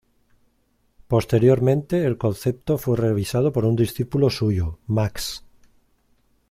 Posteriormente el concepto fue revisado por un discípulo suyo, Max.